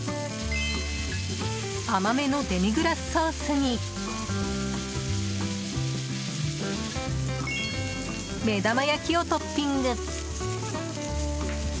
甘めのデミグラスソースに目玉焼きをトッピング。